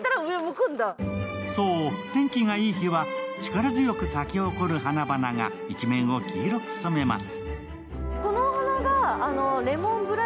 天気がいい日は、力強く咲き誇る花々が一面を黄色く染めます。